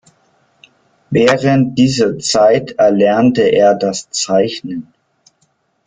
Während dieser Zeit erlernte er das Zeichnen.